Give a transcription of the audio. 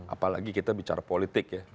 apalagi kita bicara politik ya